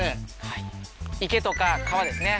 池とか川ですね。